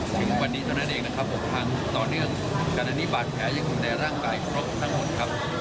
ถึงวันนี้เท่านั้นเองนะครับต่อเนื่องการอนิบัติแผลยังคงได้ร่างกายครบทั้งหมดครับ